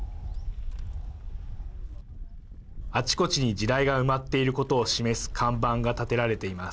あちこちに地雷が埋まっていることを示す看板が立てられています。